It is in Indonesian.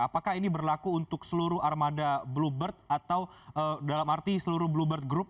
apakah ini berlaku untuk seluruh armada bluebird atau dalam arti seluruh bluebird group